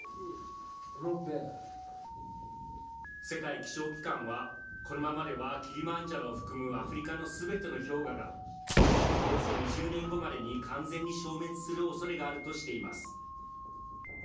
世界気象機関は、このままではキリマンジャロを含むアフリカのすべての氷河が、およそ２０年後までに完全に消滅するおそれがあるとしています。